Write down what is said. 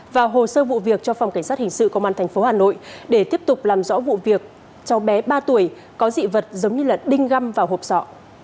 và hồ sơ vụ việc cho phòng cảnh sát hình sự công an tp hà nội để tiếp tục làm rõ vụ việc cháu bé ba tuổi có dị vật giống như đinh găm vào hộp sọ